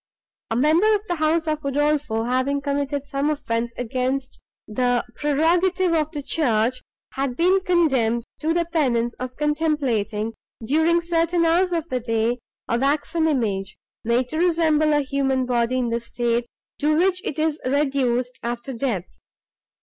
A member of the house of Udolpho, having committed some offence against the prerogative of the church, had been condemned to the penance of contemplating, during certain hours of the day, a waxen image, made to resemble a human body in the state, to which it is reduced after death.